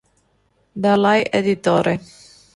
Dalai Editore.